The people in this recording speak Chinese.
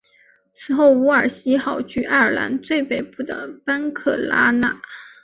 此后伍尔西号去爱尔兰最北部的班克拉纳。